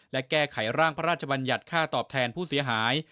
และแก้ไขร่างพระราชบัญญัติค่าตอบแทนผู้เสียหาย